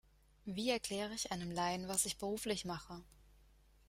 Wie erkläre ich einem Laien, was ich beruflich mache?